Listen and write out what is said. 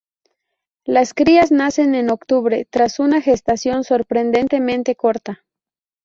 Las crías nacen en octubre, tras una gestación sorprendentemente corta.